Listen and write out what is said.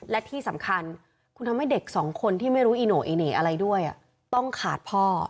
และที่สำคัญคุณทำให้เด็กสองคนที่ไม่รู้อีโน่อีเหน่อะไรด้วยต้องขาดพ่อ